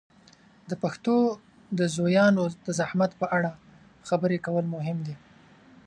د پښتو د زویانو د زحمت په اړه خبرې کول مهم دي.